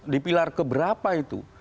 di pilar keberapa itu